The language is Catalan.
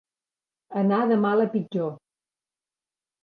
Anar de mal a pitjor.